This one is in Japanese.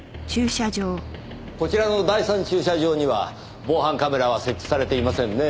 こちらの第三駐車場には防犯カメラは設置されていませんねぇ。